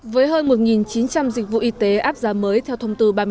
với hơn một chín trăm linh dịch vụ y tế áp giá mới theo thông tư ba mươi tám